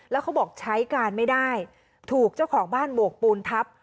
แล้วเขาบอกใช้การไม่ได้ถูกเจ้าของบ้านโบกปูนทับ